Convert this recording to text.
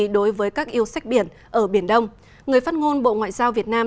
đối với các yêu sách biển ở biển đông người phát ngôn bộ ngoại giao việt nam